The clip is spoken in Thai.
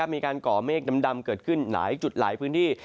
ก่อเมฆดำเกิดขึ้นหลายจุดหลายพื้นที่